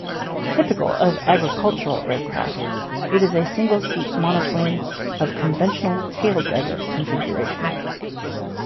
Typical of agricultural aircraft, it is a single-seat monoplane of conventional taildragger configuration.